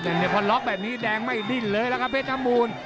ตามพอร์ตล็อกแบบนี้แดงไม่ดิ้นเลยนะครับเพชรนามูล